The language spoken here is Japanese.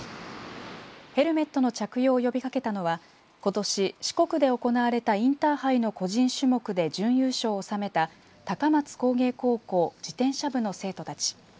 ヘルメットの着用を呼びかけたのはことし四国で行われたインターハイの個人種目で準優勝を収めた高松工芸高校自転車部の生徒たち。